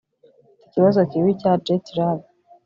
mfite ikibazo kibi cya jet lag